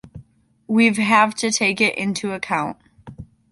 We’ve have to take it into account.